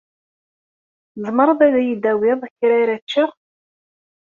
Tzemreḍ ad yi-d-tawiḍ kra ara ččeɣ?